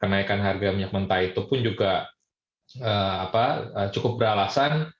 kenaikan harga minyak mentah itu pun juga cukup beralasan